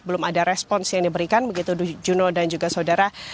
belum ada respons yang diberikan begitu juno dan juga saudara